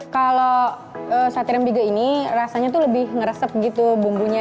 kalau sate rembige ini rasanya tuh lebih ngeresep gitu bumbunya